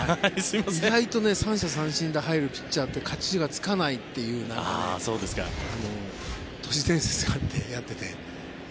意外と３者三振で入るピッチャーって勝ちがつかないっていう都市伝説があって、やってて。